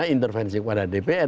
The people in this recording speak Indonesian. intervensi kepada dpr